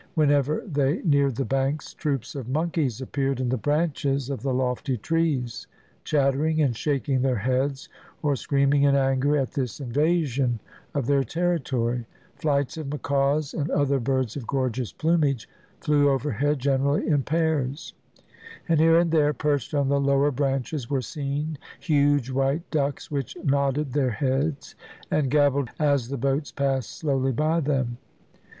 Whenever they neared the banks troops of monkeys appeared in the branches of the lofty trees, chattering and shaking their heads, or screaming in anger at this invasion of their territory; flights of macaws and other birds of gorgeous plumage flew overhead, generally in pairs; and here and there, perched on the lower branches, were seen huge white ducks, which nodded their heads and gabbled as the boats passed slowly by them.